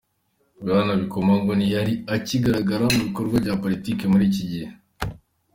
Bwana Bikomagu ntiyari akigaragara mu bikorwa bya politike muri iki gihe.